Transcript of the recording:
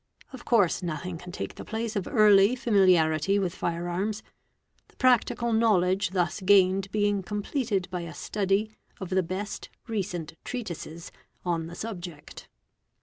Of course nothing can take the place of early familiarity with fire arms, the practical knowled Fe thus gained being completed by a study of the best recent treatises on the subject.